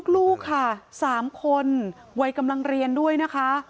ลูกค่ะ๓คนวัยกำลังเรียนด้วยนะคะ